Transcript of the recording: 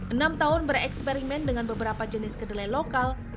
enam tahun bereksperimen dengan beberapa jenis kedelai lokal